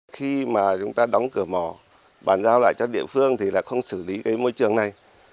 khi mà chúng ta đóng cửa mỏ bàn giao lại cho địa phương thì là không xử lý cái môi trường này